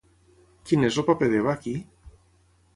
Quin és el paper d'Eva aquí?